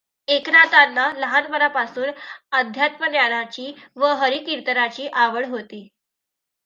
एकनाथांना लहानपणापासून अध्यात्मज्ञानाची व हरिकीर्तनाची आवड होती.